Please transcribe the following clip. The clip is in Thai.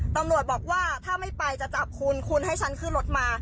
ตำรวจบอกว่าถ้าไม่ไปจะจับคุณคุณให้ฉันขึ้นรถมา